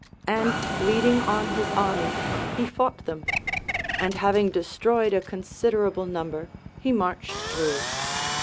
And leading on his army, he fought them ; and having destroyed a considerable number, he marched through.